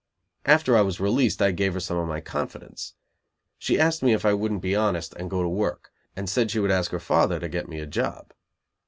After I was released I gave her some of my confidence. She asked me if I wouldn't be honest, and go to work; and said she would ask her father to get me a job.